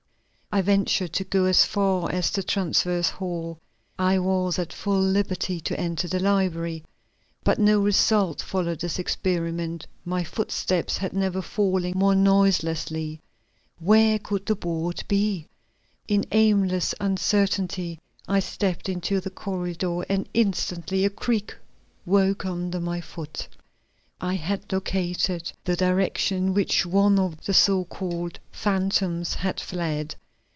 I ventured to go as far as the transverse hall, I was at full liberty to enter the library. But no result followed this experiment; my footsteps had never fallen more noiselessly. Where could the board be? In aimless uncertainty I stepped into the corridor and instantly a creak woke under my foot. I had located the direction in which one of the so called phantoms had fled.